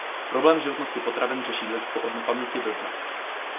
Problém životnosti potravin řeší lidstvo od nepaměti dodnes.